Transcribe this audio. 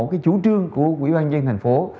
cái chủ trương của quỹ ban dân thành phố